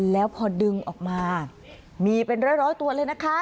แล้วพอดึงออกมามีเป็นร้อยตัวเลยนะคะ